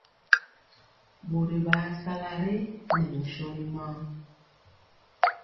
Ɓori ɓaa sala re nɛ mɛ sɔli maŋ.